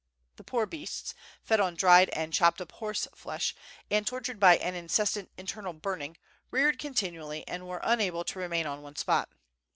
The poor beasts, fed on dried and chopped up horse flesh, and tortured by an incessant, internal burning, reared continually and were unable to re main on one spot.